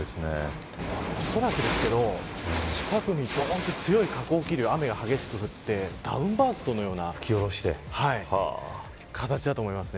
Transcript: おそらくですけど近くに強い下降気流雨が激しく降ってダウンバーストのような形だと思います。